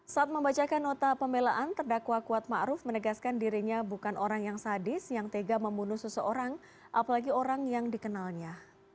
saat membacakan nota pembelaan terdakwa kuatma ruf menegaskan dirinya bukan orang yang sadis yang tega membunuh seseorang apalagi orang yang dikenalnya